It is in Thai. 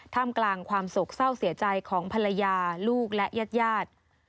กลางความโศกเศร้าเสียใจของภรรยาลูกและญาติญาติ